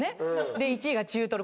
で１位が中トロ。